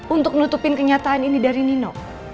untuk menutupi kenyataan ini dari nino